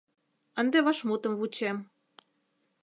Ынде вашмутым вучем.